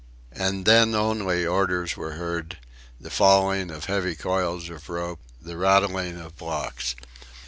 And then only orders were heard, the falling of heavy coils of rope, the rattling of blocks.